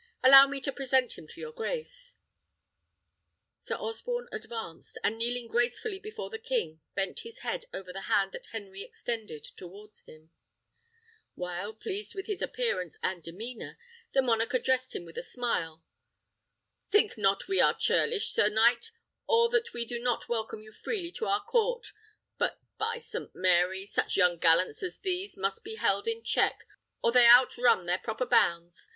Allow me to present him to your grace." Sir Osborne advanced, and kneeling gracefully before the king, bent his head over the hand that Henry extended towards him; while, pleased with his appearance and demeanour, the monarch addressed him with a smile: "Think not we are churlish, sir knight, or that we do not welcome you freely to our court; but, by St. Mary! such young gallants as these must be held in check, or they outrun their proper bounds.